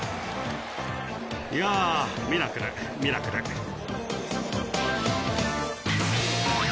「いやミラクルミラクル」さぁ